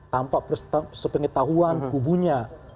tanpa sepengetahuan kubunya dua